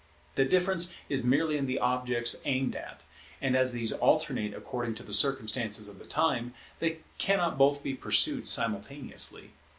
The difference is merely in the objects aimed at; and as these alternate according to the circumstances of the time, they cannot both be pursued simultaneously.